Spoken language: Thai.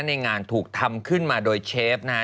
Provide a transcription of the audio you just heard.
ในงานถูกทำขึ้นมาโดยเชฟนะฮะ